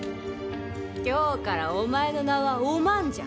今日から、お前の名はお万じゃ。